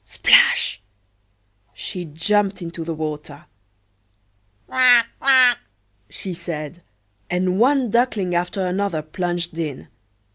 Splash! she jumped into the water. "Quack! quack!" she said, and one duckling after another plunged in.